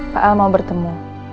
pak al mau bertemu